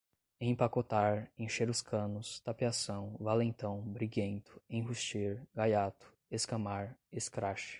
empacotar, encher os canos, tapeação, valentão, briguento, enrustir, gaiato, escamar, escrache